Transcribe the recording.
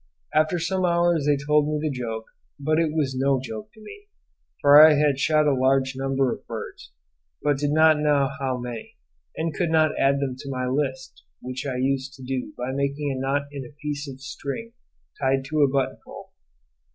After some hours they told me the joke, but it was no joke to me, for I had shot a large number of birds, but did not know how many, and could not add them to my list, which I used to do by making a knot in a piece of string tied to a button hole.